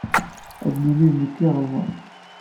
Ad nini d nekk i iɣelḍen.